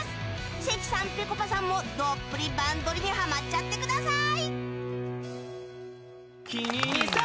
関さん、ぺこぱさんもどっぷり「バンドリ！」にハマっちゃってください！